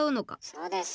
そうです。